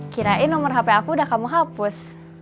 kirain nomor hp aku udah kamu hapus